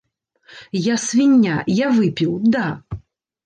Я свіння, я выпіў, да!